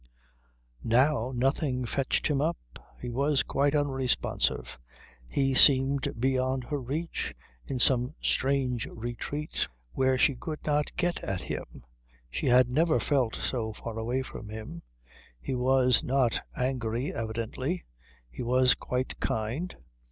Now nothing fetched him up. He was quite unresponsive. He seemed beyond her reach, in some strange retreat where she could not get at him. She had never felt so far away from him. He was not angry evidently; he was quite kind.